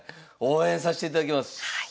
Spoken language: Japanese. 応援さしていただきます！